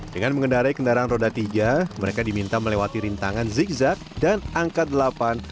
dengan mengendarai kendaraan roda tiga mereka diminta melewati rintangan zigzag dan angka delapan